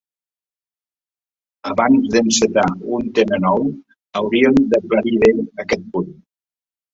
Abans d'encetar un tema nou hauríem d'aclarir bé aquest punt.